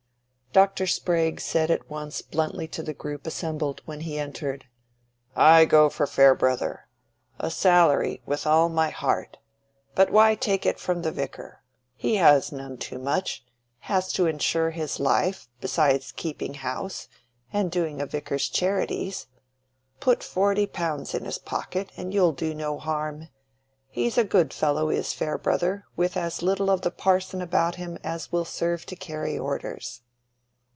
Dr. Sprague said at once bluntly to the group assembled when he entered, "I go for Farebrother. A salary, with all my heart. But why take it from the Vicar? He has none too much—has to insure his life, besides keeping house, and doing a vicar's charities. Put forty pounds in his pocket and you'll do no harm. He's a good fellow, is Farebrother, with as little of the parson about him as will serve to carry orders."